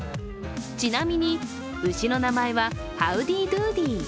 ちなみに牛の名前は、ハウディ・ドゥーディ。